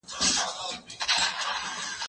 زه مېوې نه راټولوم!.